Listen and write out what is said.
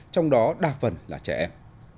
trong đó đa phần là trẻ em